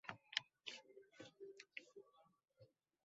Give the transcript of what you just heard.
Oshiqning o‘zi uzsin mo‘habbatning gulini